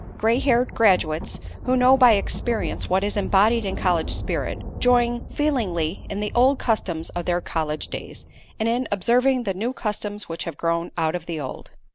Gray haired graduates who know by experience what is embodied in college spirit, join feelingly in the old customs of their college days, and in observing the new customs which have grown out of the old.